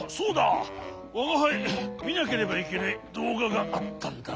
わがはいみなければいけないどうががあったんだ。